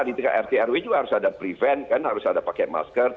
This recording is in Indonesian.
di rtrw juga harus ada prevent kan harus ada pakai masker tiga m